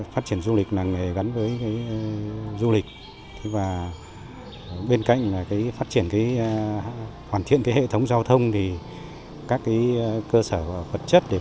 phát triển du lịch là nghề gắn với du lịch và bên cạnh phát triển hoàn thiện hệ thống giao thông thì các cơ sở vật chất để phục vụ cho du lịch